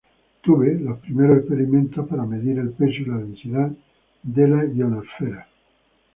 Tuve, los primeros experimentos para medir el peso y la densidad de la ionosfera.